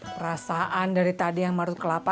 perasaan dari tadi yang marut kelapa